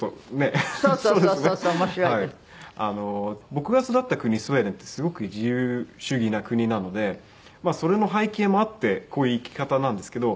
僕が育った国スウェーデンってすごく自由主義な国なのでそれの背景もあってこういう生き方なんですけど。